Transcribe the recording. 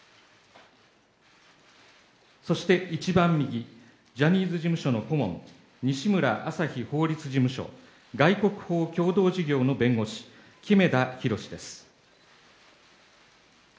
そして、一番右ジャニーズ事務所の顧問西村あさひ法律事務所外国法共同事業の弁護士木目田裕です。